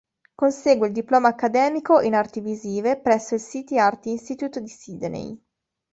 Consegue il Diploma Accademico in Arti Visive presso il City Art Institute di Sydney.